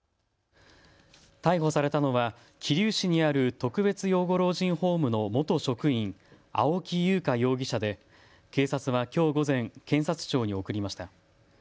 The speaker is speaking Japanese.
逮捕されたのは桐生市にある特別養護老人ホームの元職員、青木優香容疑者で警察はきょう午前、検察庁に送りました。